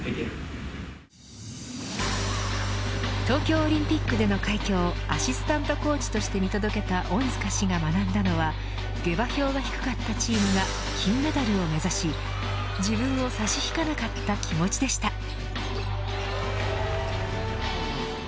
東京オリンピックでの快挙をアシスタントコーチとして見届けた恩塚氏が学んだのは下馬評が低かったチームが金メダルを目指し自分を差し引かなかった気持ちでした。